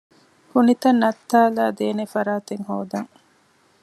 ކުނިތައް ނައްތާލައިދޭނެ ފަރާތެއް ހޯދަން